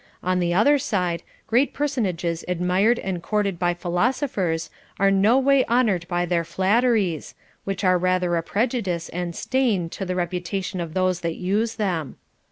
On the other side, great personages admired and courted by philosophers are no way honored by their flatteries, which are rather a pre judice and stain to the reputation of those that use them.